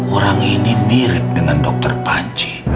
orang ini mirip dengan dokter panci